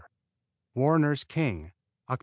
Warner's King Oct.